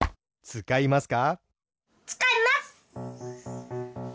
つかいます。